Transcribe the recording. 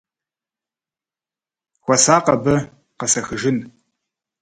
Хуэсакъ абы, къэсэхыжын!